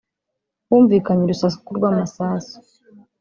humvikanye urusaku rw’amasasu